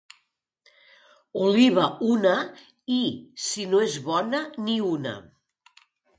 Oliva, una, i, si no és bona, ni una.